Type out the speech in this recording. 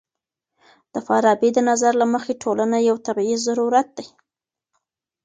د فارابي د نظر له مخې ټولنه يو طبيعي ضرورت دی.